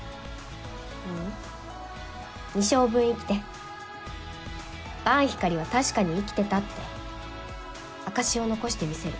ううん二生分生きて伴ひかりは確かに生きてたって証しを残してみせる。